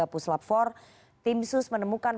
puslap empat tim sus menemukan